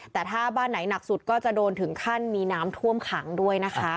แต่ถ้าบ้านไหนหนักสุดก็จะโดนถึงขั้นมีน้ำท่วมขังด้วยนะคะ